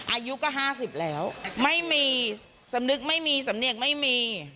อายุก็๕๐แล้วไม่มีสำนึกไม่มีสำเนียงไม่มี